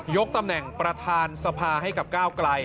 ตำแหน่งประธานสภาให้กับก้าวไกล